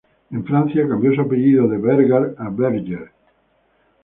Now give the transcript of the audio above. En Francia cambió su apellido de Berger a Bergier.